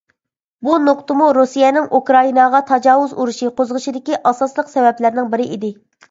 بۇ نۇقتىمۇ رۇسىيەنىڭ ئۇكرائىناغا تاجاۋۇز ئۇرۇشى قوزغىشىدىكى ئاساسلىق سەۋەبلەرنىڭ بىرى ئىدى.